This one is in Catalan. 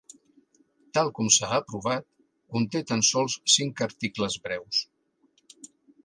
Tal com s'ha aprovat, conté tan sols cinc articles breus.